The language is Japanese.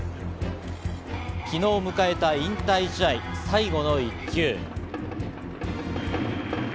昨日迎えた引退試合、最後の１球。